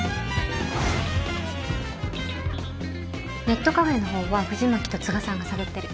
ネットカフェの方は藤巻と都賀さんが探ってる。